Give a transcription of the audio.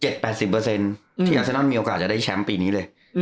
ที่อาเซนอนมีโอกาสจะได้แชมป์ปีนี้เลย